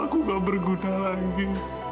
aku gak berguna lagi